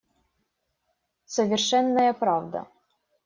Совершенная правда.